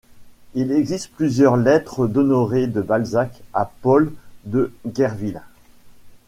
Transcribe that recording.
Il existe plusieurs lettres d'Honoré de Balzac à Paul de Guerville.